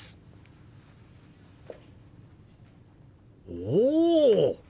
おお！